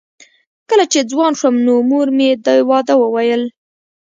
کله چې ځوان شوم نو مور مې د واده وویل